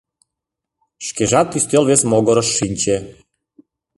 Шкежат ӱстел вес могырыш шинче.